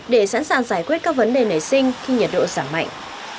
để sẵn sàng giải quyết các vấn đề nảy sinh khi nhiệt độ giảm mạnh